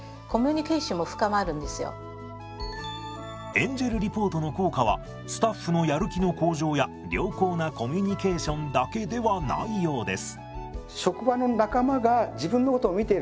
エンジェルリポートの効果はスタッフのやる気の向上や良好なコミュニケーションだけではないようです。